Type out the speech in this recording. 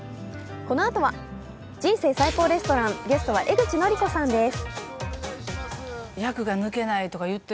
このあとは「人生最高レストラン」ゲストは江口のりこさんです。